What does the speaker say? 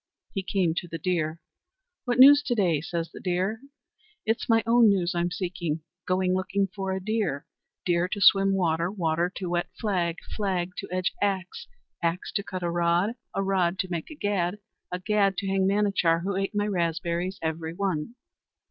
He came to the deer "What news to day?" says the deer. "It's my own news I'm seeking. Going looking for a deer, deer to swim water, water to wet flag, flag to edge axe, axe to cut a rod, a rod to make a gad, a gad to hang Manachar, who ate my raspberries every one."